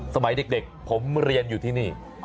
สมัยเด็กผมเรียนอยู่ที่นี่